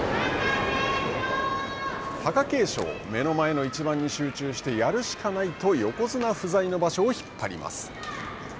貴景勝、目の前の一番に集中してやるしかないと横綱不在の場所を引っ張ります。